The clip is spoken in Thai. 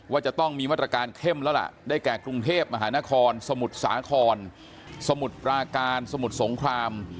ว่าจะต้องมีมาตรการเข้มแล้วล่ะได้แก่กรุงเทพมหานครสมุทรสาครสมุทรปราการสมุทรสงคราม